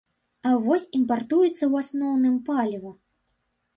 А вось імпартуецца ў асноўным паліва.